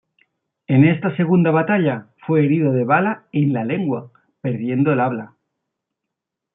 En esta segunda batalla fue herido de bala en la lengua, perdiendo el habla.